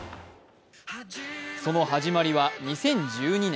その始まりは２０１２年。